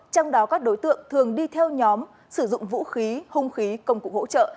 trong đó các đối tượng thường đi theo nhóm sử dụng vũ khí hung khí công cụ hỗ trợ